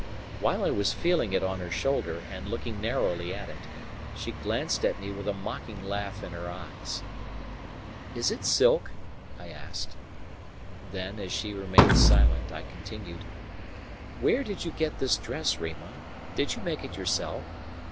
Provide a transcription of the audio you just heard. While I was feeling it on her shoulder and looking narrowly at it, she glanced at me with a mocking laugh in her eyes. "Is it silk?" I asked. Then, as she remained silent, I continued: "Where did you get this dress, Rima? Did you make it yourself?